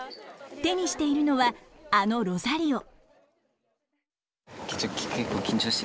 手にしているのはあのロザリオ。